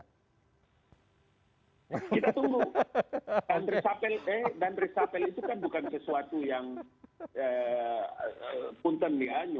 dan resapel itu kan bukan sesuatu yang punten dianyun